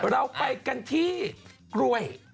เราไปกันที่กล้วย